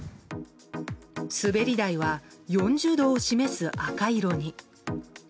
滑り台は４０度を示す赤色に。